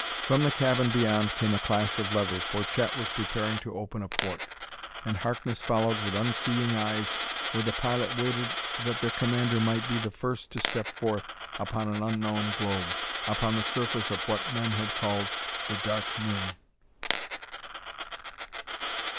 From the cabin beyond came a clash of levers, where Chet was preparing to open a port. And Harkness followed with unseeing eyes where the pilot waited that their commander might be the first to step forth upon an unknown globe upon the surface of what men had called "The Dark Moon."